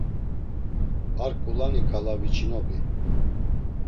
Ar ǩulani ǩala viçinobi.